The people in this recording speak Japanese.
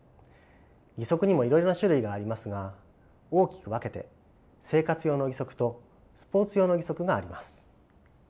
義足にもいろいろな種類がありますが大きく分けて生活用の義足とスポーツ用の義足があります。